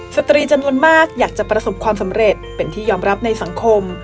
สตรีจำนวนมากอยากจะประสบความสำเร็จเป็นที่ยอมรับในสังคม